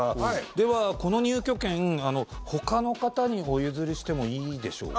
では、この入居権ほかの方にお譲りしてもいいでしょうか。